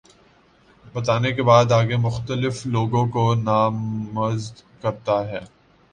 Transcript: بتانے کے بعد آگے مختلف لوگوں کو نامزد کرتا ہے